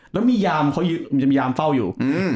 แล้วมียามเฃ่าอยู่